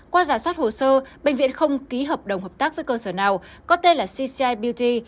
qua giả soát hồ sơ bệnh viện không ký hợp đồng hợp tác với cơ sở nào có tên là cci beaut